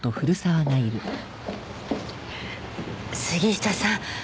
杉下さん